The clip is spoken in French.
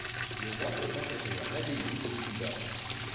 Le roi fut enterré a l'abbaye de Fulda.